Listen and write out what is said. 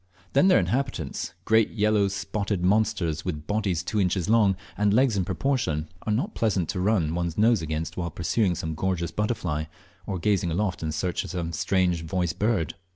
Then their inhabitants, great yellow spotted monsters with bodies two inches long, and legs in proportion, are not pleasant to o run one's nose against while pursuing some gorgeous butterfly, or gazing aloft in search of some strange voiced bird.